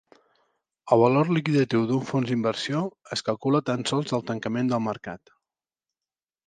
El valor liquidatiu d'un fons d'inversió es calcula tan sols al tancament del mercat.